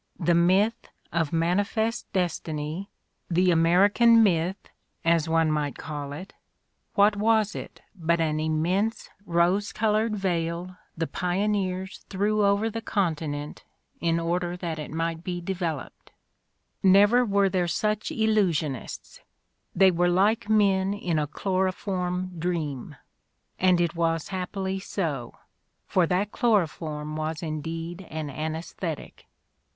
The myth of "manifest destiny," the America Myth, as one 62 The Ordeal of Mark Twain might call it, what was it but an immense rose colored veil the pioneers threw over the continent in order that it might be developed? Never were there such illu sionists : they were like men in a chloroform dream, and it was happily so, for that chloroform was indeed an anjEsthetic.